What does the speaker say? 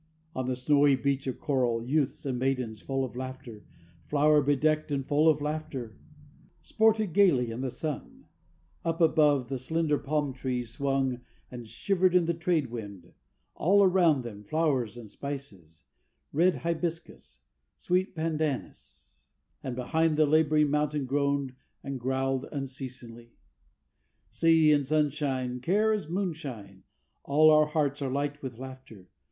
On the snowy beach of coral, youths and maidens full of laughter, Flower bedecked and full of laughter, sported gaily in the sun; Up above, the slender palm trees swung and shivered in the trade wind, All around them flowers and spices, red hibiscus, sweet pandanus, And behind, the labouring mountain groaned and growled unceasingly. "_Sea and sunshine, Care is moonshine, All our hearts are light with laughter.